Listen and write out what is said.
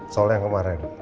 soalnya yang kemarin